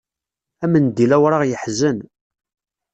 Amendil awraɣ yeḥzen.